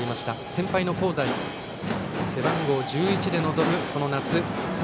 先輩の香西背番号１１で臨む、この夏。